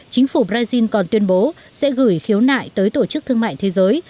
chính phủ brazil còn tuyên bố sẽ gửi khiếu nại tới tổ chức thương mại thế giới